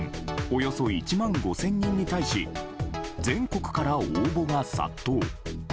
およそ１万５０００人に対し全国から応募が殺到。